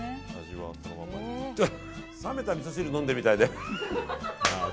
冷めたみそ汁飲んでるみたいで。